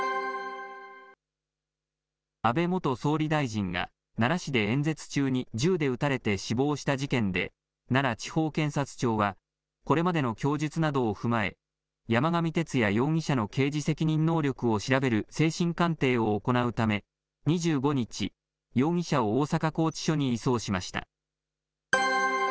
安倍元総理大臣が、奈良市で演説中に銃で撃たれて死亡した事件で、奈良地方検察庁は、これまでの供述などを踏まえ、山上徹也容疑者の刑事責任能力を調べる精神鑑定を行うため、２５日、容疑者を大阪拘置所に移送しました。